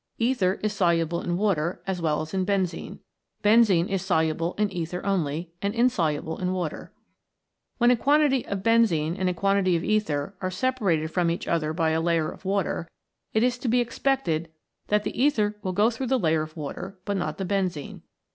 Ether is soluble in water as well as in benzene. Benzene is soluble in ether only, and insoluble in water. When a quantity of ben zene and a quantity of ether are separated from each other by a layer of water, it is to be expected that the ether will go through the layer of water, but not the benzene.